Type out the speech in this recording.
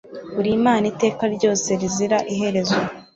uri Imana iteka ryose rizira iherezo